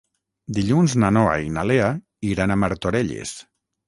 Dilluns na Noa i na Lea iran a Martorelles.